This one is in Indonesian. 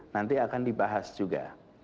nanti akan dibahas juga